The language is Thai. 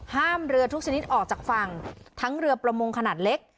ห้ามเรือทุกชนิดออกจากฝั่งทั้งเรือประมงขนาดเล็ก